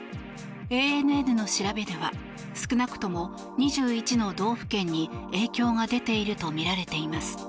ＡＮＮの調べでは少なくとも２１の道府県に影響が出ているとみられています。